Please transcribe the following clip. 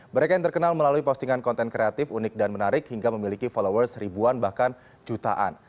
mereka yang terkenal melalui postingan konten kreatif unik dan menarik hingga memiliki followers ribuan bahkan jutaan